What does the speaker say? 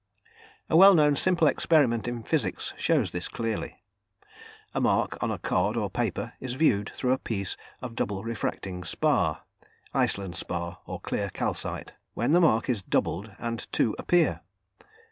A well known simple experiment in physics shows this clearly. A mark on a card or paper is viewed through a piece of double refracting spar (Iceland spar or clear calcite), when the mark is doubled and two appear.